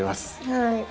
はい。